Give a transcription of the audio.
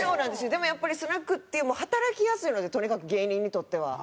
でもやっぱりスナックって働きやすいのでとにかく芸人にとっては。